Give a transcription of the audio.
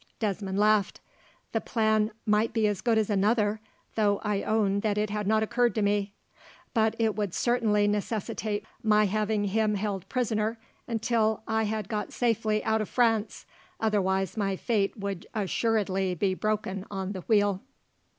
Desmond laughed. "The plan might be as good as another, though I own that it had not occurred to me; but it would certainly necessitate my having him held prisoner until I had got safely out of France, otherwise my fate would assuredly be to be broken on the wheel."